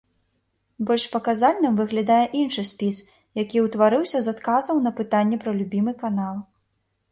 Больш паказальным выглядае іншы спіс, які ўтварыўся з адказаў на пытанне пра любімы канал.